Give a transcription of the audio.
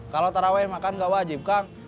kalau terawai makan gak wajib kang